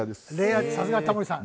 さすがタモリさん！